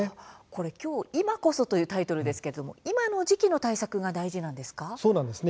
きょう今こそというタイトルですが今の時期の対策が大切なんですか。